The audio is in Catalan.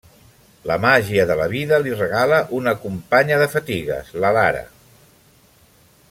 La màgia de la vida li regala una companya de fatigues: la Lara.